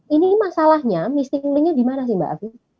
ini masalahnya misi mulia gimana sih mbak fi